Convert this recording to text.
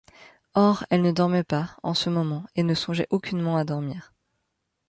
Or, elle ne dormait pas, en ce moment, et ne songeait aucunement à dormir.